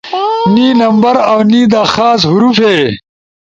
نی نمبر اؤ نی دا خاص حروفے